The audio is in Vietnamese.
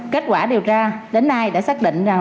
kết quả điều tra đến nay đã xác định